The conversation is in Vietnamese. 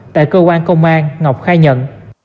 tại cơ quan công an ngọc khai nhận